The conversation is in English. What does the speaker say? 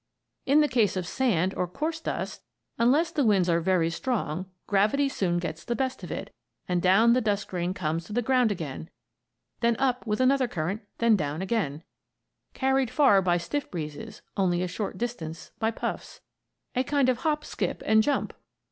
In the case of sand or coarse dust, unless the winds are very strong, gravity soon gets the best of it, and down the dust grain comes to the ground again; then up with another current, then down again carried far by stiff breezes, only a short distance by puffs a kind of hop, skip, and jump.